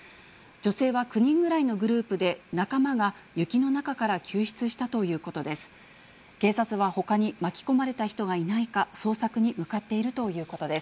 女性は９人ぐらいのグループで、仲間が雪の中から救出したということです。